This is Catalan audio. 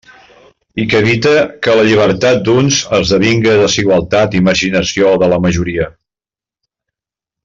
I que evite que la llibertat d'uns esdevinga desigualtat i marginació de la majoria.